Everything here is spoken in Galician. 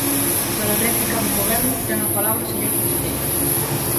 Para a réplica do Goberno ten a palabra o señor conselleiro.